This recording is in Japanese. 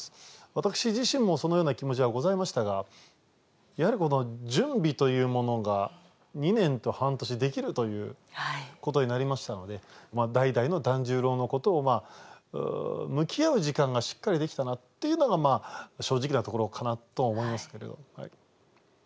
私自身もそのような気持ちはございましたがやはりこの準備というものが２年と半年できるということになりましたので代々の團十郎のことを向き合う時間がしっかりできたなっていうのが正直なところかなと思いますけれど。